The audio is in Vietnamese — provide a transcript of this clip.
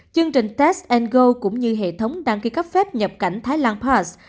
chương trình test go cũng như hệ thống đăng ký cấp phép nhập cảnh thái lan pass